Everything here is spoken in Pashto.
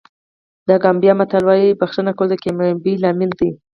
د ګامبیا متل وایي بښنه کول د کامیابۍ لامل دی.